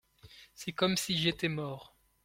C'est comme si j'étais mort.